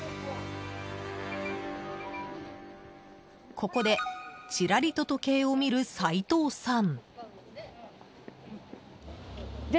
ここで、チラリと時計を見る齊藤さん。